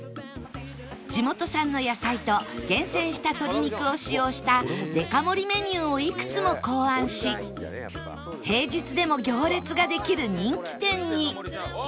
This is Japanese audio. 地元産の野菜と厳選した鶏肉を使用したデカ盛りメニューをいくつも考案し平日でも行列ができる人気店に